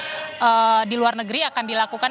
pada saat pemilu di luar negeri akan dilakukan